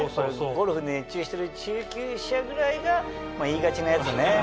ゴルフに熱中してる中級者ぐらいが言いがちなやつね